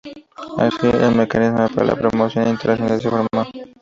Así, el mecanismo para la promoción internacional se formó.